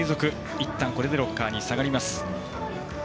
いったんこれでロッカーに下がります。